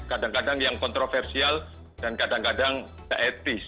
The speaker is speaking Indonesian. kadang kadang yang kontroversial dan kadang kadang tidak etis